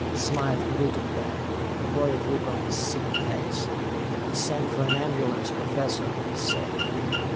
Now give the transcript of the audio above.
Smythe greeted them, a worried look on his seamed face. "I've sent for an ambulance, Professor," he said.